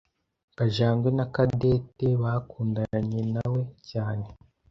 Kajangwe Na Cadette bakundanawe cyane.